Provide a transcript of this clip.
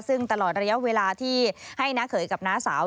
ซึ่งตลอดระยะเวลาที่ให้น้าเขยกับน้าสาว